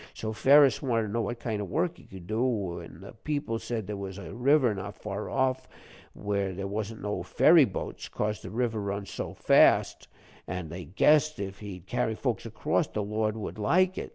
So Ferus wanted to know what kind of work he could do, an' the people said there was a river not far off, where there wasn't no ferry boats, cos the water run so fast, an' they guessed if he'd carry folks across, the Lord would like it.